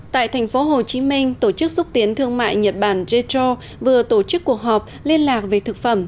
tại thành phố hồ chí minh tổ chức xúc tiến thương mại nhật bản jetro vừa tổ chức cuộc họp liên lạc về thực phẩm